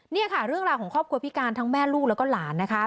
นี่ค่ะเรื่องราวของครอบครัวพิการทั้งแม่ลูกแล้วก็หลานนะคะ